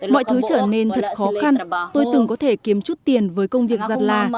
mọi thứ trở nên thật khó khăn tôi từng có thể kiếm chút tiền với công việc giặt là